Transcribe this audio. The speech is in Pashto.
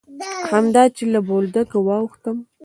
همدا چې له بولدکه واوښتم.